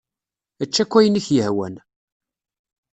Ečč akk ayen i k-yehwan.